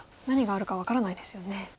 何があるか分からないですよね。